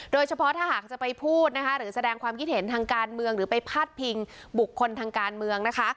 โดยเฉพาะถ้าหากจะไปพูดนะคะหรือแสดงความคิดเห็นทางการเมืองหรือไปพาดพิงบุคคลทางการเมืองนะคะ